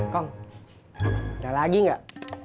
kong udah lagi gak